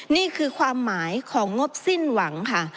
นี่คือความหมายของงบสิ้นหวังค่ะ